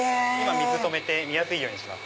水止めて見やすいようにします。